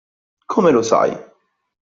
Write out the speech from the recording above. Come lo sai?